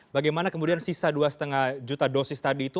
bagaimana kemudian sisa dua lima juta dosis tadi itu